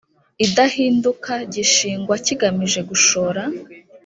idahinduka gishingwa kigamije gushora